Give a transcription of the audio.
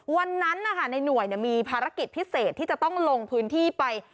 วันนั้นในหน่วยมีภารกิจพิเศษที่จะต้องลงพื้นที่ไป